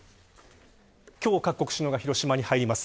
今日各国首脳が広島に入ります。